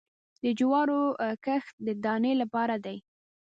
د جوارو کښت د دانې لپاره دی